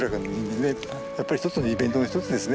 やっぱりイベントの一つですね